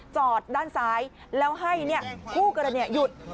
จอดด้านซ้ายแล้วให้คู่กรณีหยุด